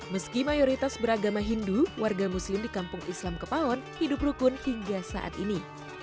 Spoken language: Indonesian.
meski mayoritas beragama hindu warga muslim di kampung islam kepalon hidup rukun hingga saat ini